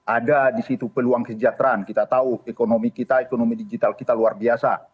ada di situ peluang kesejahteraan kita tahu ekonomi kita ekonomi digital kita luar biasa